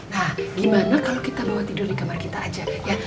nah gimana kalau kita bawa tidur di kamar kita aja ya